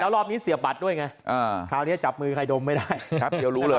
แล้วรอบนี้เสียบบัตรด้วยไงคราวนี้จับมือใครดมไม่ได้